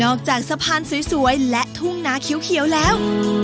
จากสะพานสวยและทุ่งนาเขียวแล้ว